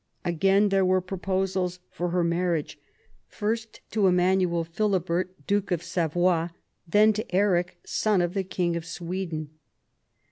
Again there were proposals for her marriage, first to Emmanuel Philibert, Duke of Savoy, then to Eric, son of the King of Sweden.